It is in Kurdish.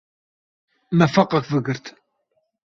Me feqek vegirt.